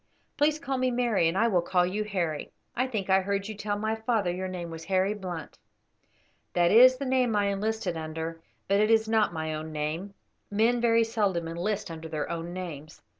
Please call me Mary, and I will call you Harry. I think I heard you tell my father your name was Harry Blunt." "That is the name I enlisted under, it is not my own name; men very seldom enlist under their own names."